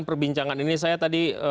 perbincangan ini saya tadi